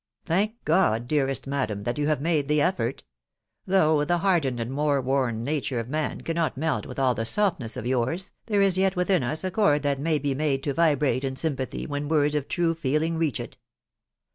" Thank God, dearest madam, that you have made the effort !... Though the hardened and war worn nature of man cannot melt with all the softness of yours, there is yet within us a chord that may he made to vibrate in sympathy when words of true feeling reach it